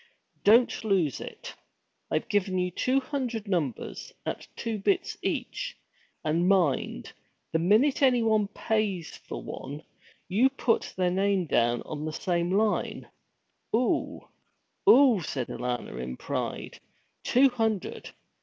Don't lose it. I've given you two hundred numbers, at two bits each, and mind, the minute any one pays for one, you put their name down on the same line!' 'Oo, oo!' said Alanna, in pride. 'Two hundred!